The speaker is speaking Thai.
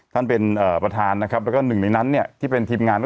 ท่านเป็นประธานแล้วก็หนึ่งในนั้นที่เป็นทีมงาน